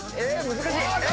難しい！